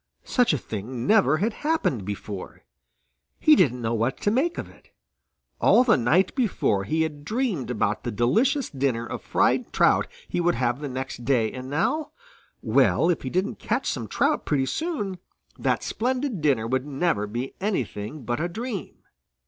Such a thing never had happened before. He didn't know what to make of it. All the night before he had dreamed about the delicious dinner of fried trout he would have the next day, and now well, if he didn't catch some trout pretty soon, that splendid dinner would never be anything but a dream.